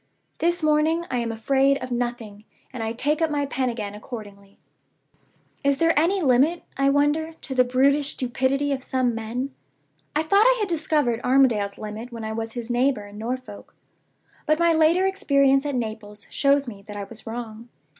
"This morning I am afraid of nothing, and I take up my pen again accordingly. "Is there any limit, I wonder, to the brutish stupidity of some men? I thought I had discovered Armadale's limit when I was his neighbor in Norfolk; but my later experience at Naples shows me that I was wrong.